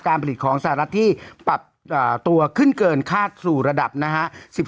ผลิตของสหรัฐที่ปรับตัวขึ้นเกินคาดสู่ระดับนะฮะ